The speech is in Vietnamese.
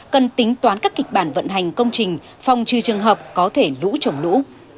cần tính toán các kịch bản vận hành công trình phòng trừ trường hợp có thể lũ trồng lũ